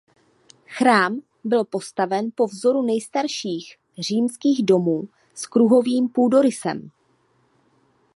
Chrám byl postaven po vzoru nejstarších římských domů s kruhovým půdorysem.